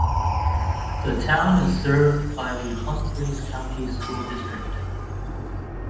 The town is served by the Humphreys County School District.